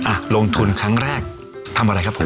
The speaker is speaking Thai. อ่ะลงทุนครั้งแรกทำอะไรครับผม